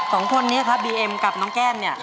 สองคนนี้ครับบีเอ็มกับน้องแก้มเนี่ย